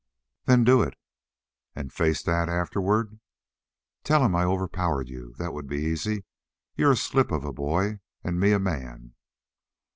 "Then do it." "And face dad afterward?" "Tell him I overpowered you. That would be easy; you a slip of a boy, and me a man."